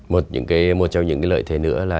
một cái một trong những cái lợi thế nữa là